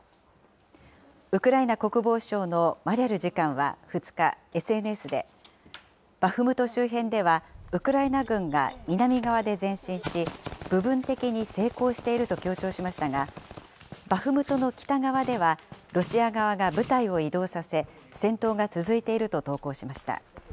ウクライナ国防省のマリャル次官は２日、ＳＮＳで、バフムト周辺ではウクライナ軍が南側で前進し、部分的に成功していると強調しましたが、バフムトの北側では、ロシア側が部隊を移動させ、戦闘が続いていると投稿しました。